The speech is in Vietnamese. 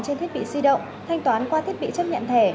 trên thiết bị di động thanh toán qua thiết bị chấp nhận thẻ